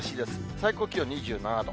最高気温２７度。